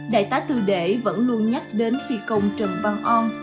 đại tá tư để vẫn luôn nhắc đến phi công trần văn on